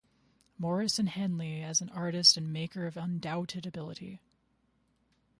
Morris and Henley as an "artist" and "maker of undoubted ability".